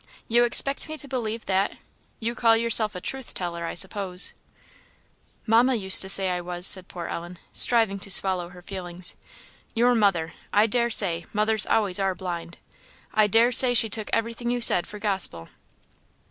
you expect me to believe that? you call yourself a truth teller, I suppose?" "Mamma used to say I was," said poor Ellen, striving to swallow her feelings. "Your mother! I daresay mothers always are blind. I daresay she took everything you said for gospel!"